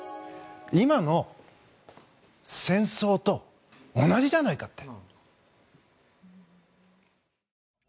今の戦争と同じじゃないかって。